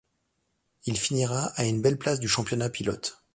Il finira à une belle place du championnat pilote.